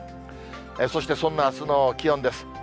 そしてそんなあすの気温です。